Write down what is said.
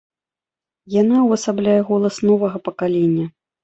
Яна увасабляе голас новага пакалення.